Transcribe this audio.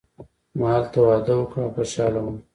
ما هلته واده وکړ او خوشحاله وم.